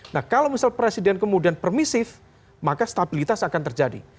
nah kalau misal presiden kemudian permisif maka stabilitas akan terjadi